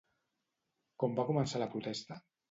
Com va començar la protesta?